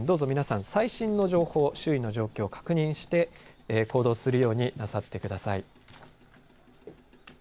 どうぞ皆さん、最新の情報、周囲の状況を確認して行動するようになさってください。